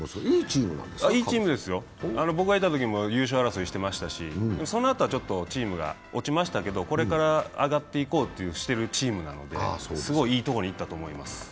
いいチームですよ、僕がいたときも優勝争いしてましたし、そのあとはちょっとチームが落ちましたけど、これから上がっていこうとしているチームなので、すごいいいところにいったと思います。